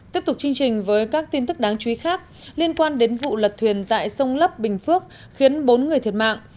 tiếp tục chương trình với các tin tức đáng chú ý khác liên quan đến vụ lật thuyền tại sông lấp bình phước khiến bốn người thiệt mạng